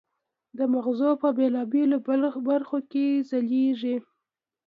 د مغزو په بېلابېلو برخو کې یې ځلېږي.